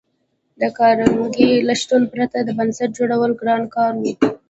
د کارنګي له شتون پرته د بنسټ جوړول ګران کار و